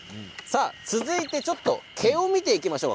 続いて毛を見ていきましょう。